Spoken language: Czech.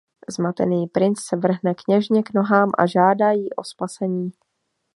Zmatený Princ se vrhne Kněžně k nohám a žádá ji o spasení.